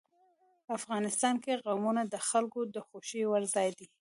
افغانستان کې قومونه د خلکو د خوښې وړ ځای دی.